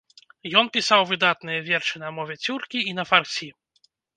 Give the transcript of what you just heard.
Ён пісаў выдатныя вершы на мове цюркі і на фарсі.